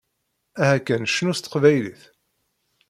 Aha kan cnu s teqbaylit!